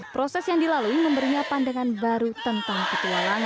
proses yang dilalui memberinya pandangan baru tentang petualangan